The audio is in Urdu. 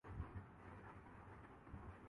کا کوئی امکان نہیں کیونکہ سب ایک پیج پر ہیں